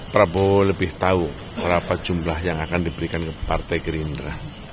prabowo lebih tahu berapa jumlah yang akan diberikan ke partai gerindra